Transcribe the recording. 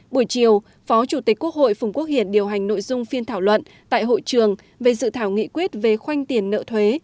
buổi chiều phó chủ tịch quốc hội phùng quốc hiển điều hành nội dung phiên thảo luận tại hội trường về dự thảo nghị quyết về khoanh tiền nợ thuế